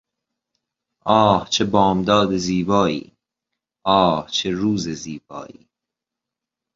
آه چه بامداد زیبایی! آه چه روز زیبایی!